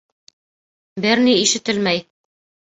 Бер ни ишетелмәй.